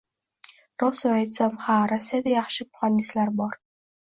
Rostini aytsam, ha, Rossiyada yaxshi muhandislar bor